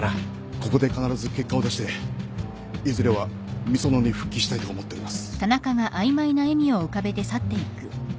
ここで必ず結果を出していずれはみそのに復帰したいと思っております。